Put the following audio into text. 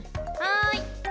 はい！